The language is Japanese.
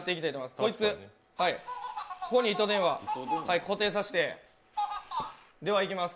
こいつ、ここに糸電話を固定させてではいきます。